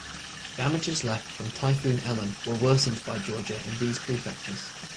Damages left from Typhoon Ellen were worsened by Georgia in these prefectures.